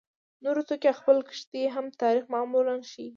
نور توکي او خپله کښتۍ هم تاریخ معلومولای شي